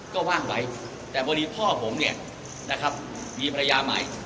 ก็ว่างไว้แต่พอดีพ่อผมเนี่ยนะครับมีภรรยาใหม่